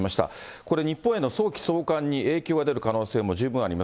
これ、日本への早期送還に影響が出る可能性も十分あります。